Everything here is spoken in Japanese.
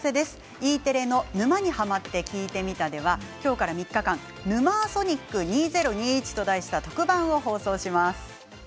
Ｅテレの「沼にハマってきいてみた」ではきょうから３日間「ヌマーソニック２０２１」と題した特番を放送します。